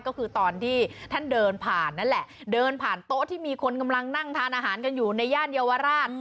ก็คือตอนที่ท่านเดินผ่านนั่นแหละเดินผ่านโต๊ะที่มีคนกำลังนั่งทานอาหารกันอยู่ในย่านเยาวราช